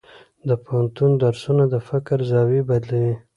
د پوهنتون درسونه د فکر زاویې بدلوي.